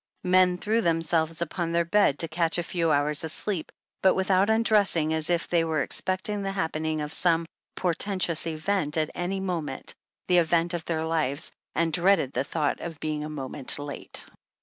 Men threw themselves upon their beds to catch a few hours sleep, but without undress ing, as if they were expecting the happening of some portentous event at any moment, the event of their 43 lives, and dreaded the thought of being a moment late.